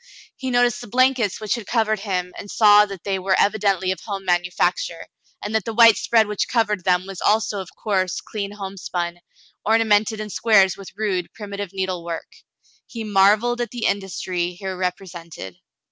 He noticed the blankets which had covered him, and saw that they were evidently of home manufacture, and that the white spread which covered them was also of coarse, clean homespun, ornamented in squares with rude, primitive needlework. He mar velled at the industry here represented.